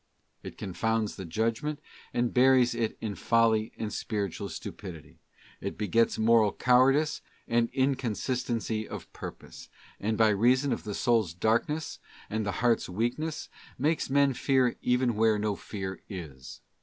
It confounds the judgment, and buries it in folly and spiritual stupidity, it begets moral cowardice and incon sistency of purpose, and by reason of the soul's darkness and the heart's weakness, makes men fear even where no fear is.